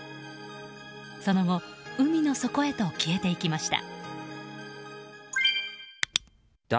その後、海の底へと消えていきました。